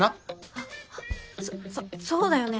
あっそそそうだよね。